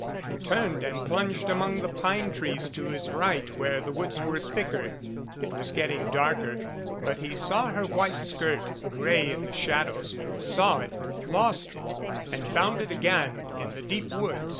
He turned and plunged among the pine trees to his right where the woods were thicker. It was getting darker, but he saw her white skirt, gray in the shadows saw it lost it and found it again in the deep wood.